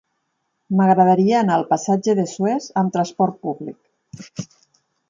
M'agradaria anar al passatge de Suez amb trasport públic.